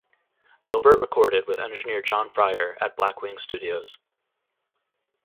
Gilbert recorded with engineer John Fryer at Blackwing Studios.